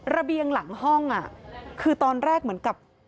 ระเบียงหลังห้องคือตอนแรกเหมือนกับ